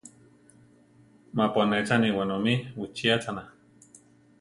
Mapu anéchani wenomí wichíachana.